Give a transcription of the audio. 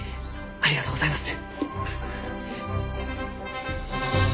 ありがとうございます！